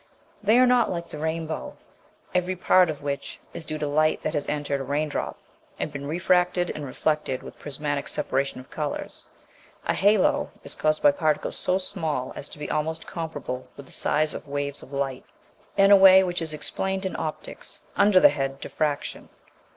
They are not like the rainbow, every part of which is due to light that has entered a raindrop, and been refracted and reflected with prismatic separation of colours; a halo is caused by particles so small as to be almost comparable with the size of waves of light, in a way which is explained in optics under the head "diffraction."